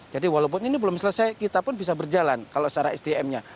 jadi walaupun ini belum selesai kita pun bisa berjalan kalau secara sdmnya